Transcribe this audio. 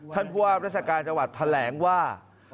ท่านผู้ว่าราชการจังหวัดแถลงว่า